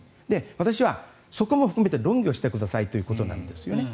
私はそこも含めて論議してくださいということなんですよね。